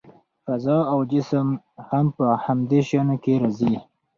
فضا او جسم هم په همدې شیانو کې راځي.